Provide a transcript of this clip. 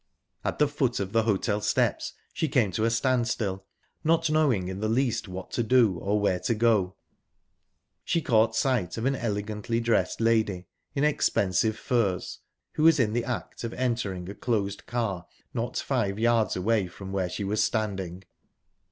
At the foot of the hotel steps she came to a standstill, not knowing in the least what to do, or where to go. She caught sight of an elegantly dressed lady, in expensive furs, who was in the act of entering a closed car not five yards away from where she was standing.